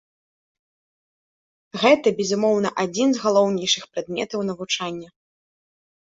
Гэта, безумоўна, адзін з галоўнейшых прадметаў навучання.